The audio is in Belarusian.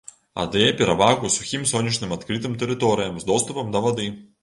Аддае перавагу сухім сонечным адкрытым тэрыторыям з доступам да вады.